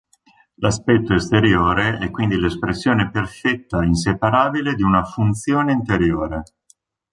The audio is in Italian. L'aspetto esteriore è quindi l'espressione perfetta e inseparabile di una funzione interiore.